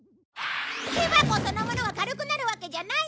木箱そのものが軽くなるわけじゃないんだぞ！